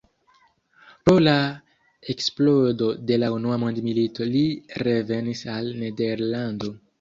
Pro la eksplodo de la Unua Mondmilito li revenis al Nederlando.